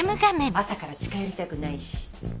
朝から近寄りたくないし。